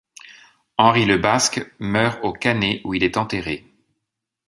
Henri Lebasque meurt au Cannet où il est enterré.